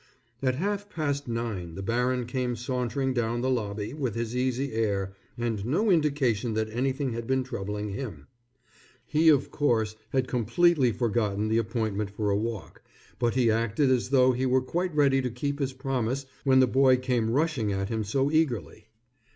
At half past nine the baron came sauntering down the lobby with his easy air and no indication that anything had been troubling him. He, of course, had completely forgotten the appointment for a walk, but he acted as though he were quite ready to keep his promise when the boy came rushing at him so eagerly.